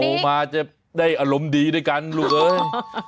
โทรมาจะได้อารมณ์ดีด้วยกันลูกเอ้ย